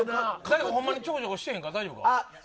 ほんまにちょこちょこしてへんか。